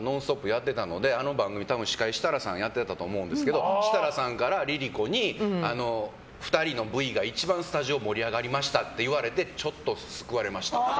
やってたのであの番組、多分設楽さんがやってたと思うんですけど設楽さんからＬｉＬｉＣｏに２人のＶが一番スタジオ盛り上がりましたって言われてちょっと救われました。